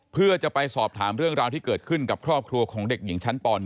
เพื่อจะไปสอบถามเรื่องราวที่เกิดขึ้นกับครอบครัวของเด็กหญิงชั้นป๑